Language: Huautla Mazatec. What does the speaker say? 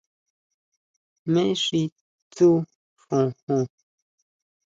¿Jmé xi tsú xojon?